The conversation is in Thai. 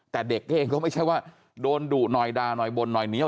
แต่เด็กก็เองก็ไม่ใช่ว่าโดนดุหน่อยด่าหน่อยบ่นหน่อยเหนียว